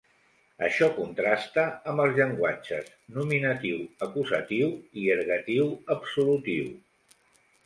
Això contrasta amb els llenguatges nominatiu-acusatiu i ergatiu-absolutiu.